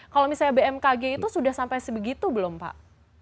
kalau misalnya bmkg itu sudah sampai sebegitu belum pak